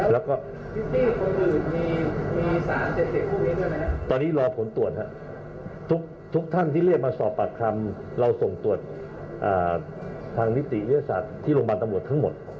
แล้วก็มีสารเสพติดตอนนี้รอผลตรวจครับทุกท่านที่เรียกมาสอบปากคำเราส่งตรวจทางนิติวิทยาศาสตร์ที่โรงพยาบาลตำรวจทั้งหมด